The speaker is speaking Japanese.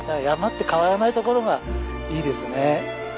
山って変わらないところがいいですね。